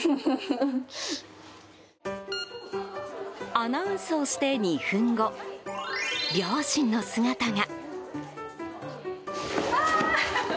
アナウンスをして２分後両親の姿が。